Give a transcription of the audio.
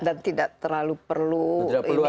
dan tidak terlalu perlu equipment yang